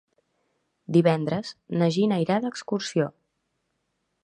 Divendres na Gina irà d'excursió.